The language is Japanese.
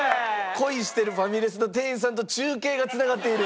恋してるファミレスの店員さんと中継が繋がっている。